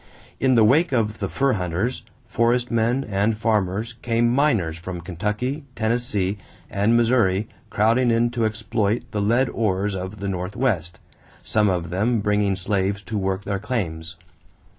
In the wake of the fur hunters, forest men, and farmers came miners from Kentucky, Tennessee, and Missouri crowding in to exploit the lead ores of the northwest, some of them bringing slaves to work their claims.